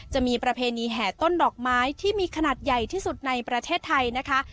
จะมีประเพณีแห่ต้นดอกไม้ที่มีขนาดใหญ่ที่สุดในประเทศไทยนะคะ